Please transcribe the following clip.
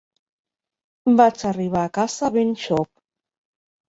Vaig arribar a casa ben xop.